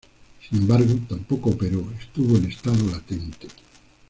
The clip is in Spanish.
Sin embargo, tampoco operó, estuvo en estado latente.